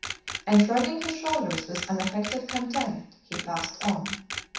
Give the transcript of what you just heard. And shrugging his shoulders with unaffected contempt he passed on.